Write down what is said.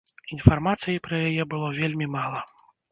Інфармацыі пра яе было вельмі мала.